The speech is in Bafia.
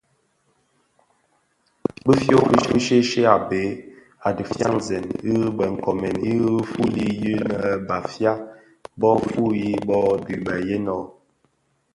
Bi fyoma fi shye shye a bhee i dhifyanzèn a be nkoomèn i ti fuli yi nnë Bafia bō fuyi, bo dhi beyen ooo?